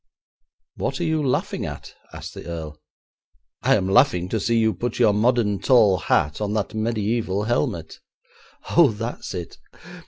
'What are you laughing at?' asked the earl. 'I am laughing to see you put your modern tall hat on that mediaeval helmet.' 'Oh, that's it!